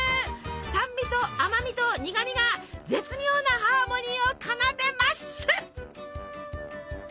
酸味と甘味と苦味が絶妙なハーモニーを奏でます！